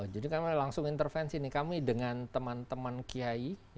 jadi kami langsung intervensi nih kami dengan teman teman kiai